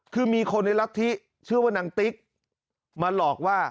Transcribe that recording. คือมีคนในรัฐธิชื่อว่านางติ๊กมาหลอกว่า